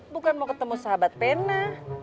bukan mau ketemu sahabat pena